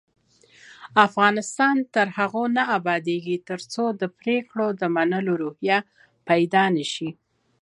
افغانستان تر هغو نه ابادیږي، ترڅو د پریکړو د منلو روحیه پیدا نشي.